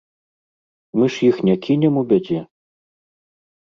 Мы ж іх не кінем у бядзе?